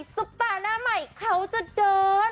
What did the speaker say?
ซุปตาหน้าใหม่เขาจะเดิน